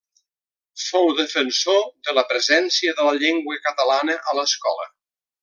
Fou defensor de la presència de la llengua catalana a l'escola.